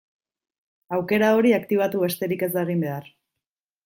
Aukera hori aktibatu besterik ez da egin behar.